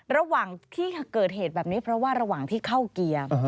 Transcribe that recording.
ระหว่างที่เกิดเหตุแบบนี้เพราะว่าระหว่างที่เข้าเกียร์